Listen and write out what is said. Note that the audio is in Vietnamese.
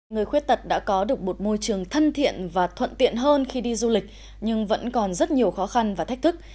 người khuyết tật đã có được một môi trường thân thiện và thuận tiện hơn khi đi du lịch nhưng vẫn còn rất nhiều khó khăn và thách thức